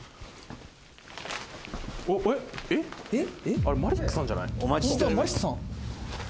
あれ、マリックさんじゃない？